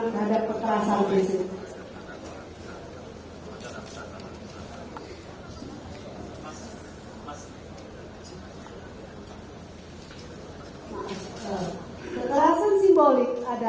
es deras di sekitarnya dan